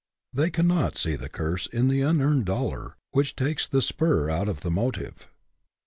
They can not see the curse in the unearned dollar, which takes the spur out of the motive.